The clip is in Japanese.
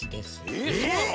えっそうなの？